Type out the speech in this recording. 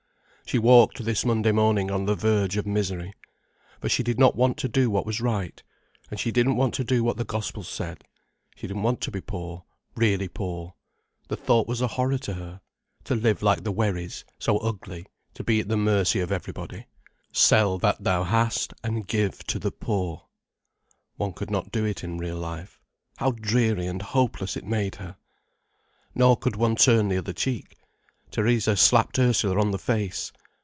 She walked this Monday morning on the verge of misery. For she did want to do what was right. And she didn't want to do what the gospels said. She didn't want to be poor—really poor. The thought was a horror to her: to live like the Wherrys, so ugly, to be at the mercy of everybody. "Sell that thou hast, and give to the poor." One could not do it in real life. How dreary and hopeless it made her! Nor could one turn the other cheek. Theresa slapped Ursula on the face.